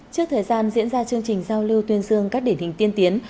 trước thời gian diễn ra chương trình giao lưu tuyên dương các điển hình tiên tiến